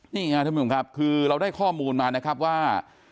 นี่ครับท่านผู้ชมครับคือเราได้ข้อมูลมานะครับว่า